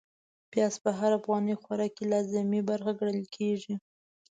پياز په هر افغاني خوراک کې لازمي برخه ګڼل کېږي.